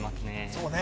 そうね